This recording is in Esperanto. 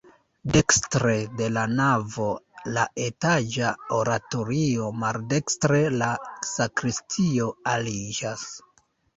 Dekstre de la navo la etaĝa oratorio, maldekstre la sakristio aliĝas.